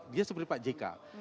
dia seperti pak jk